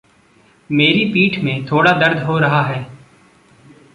मेरी पीठ में थोड़ा दर्द हो रहा है।